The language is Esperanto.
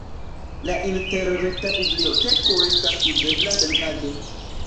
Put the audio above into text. La interreta biblioteko estas uzebla senpage.